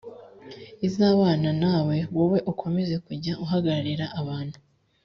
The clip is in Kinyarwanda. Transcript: izabana nawe j wowe ukomeze kujya uhagararira abantu